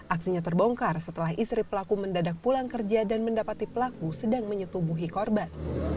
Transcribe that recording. aksinya terbongkar setelah istri pelaku mendadak pulang kerja dan mendapati pelaku sedang menyetubuhi korban